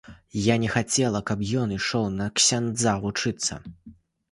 Я не хацела, каб ён ішоў на ксяндза вучыцца.